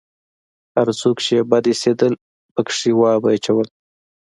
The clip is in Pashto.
هر څوک چې يې بد اېسېدل پکښې وابه يې چول.